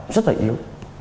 rất là yếu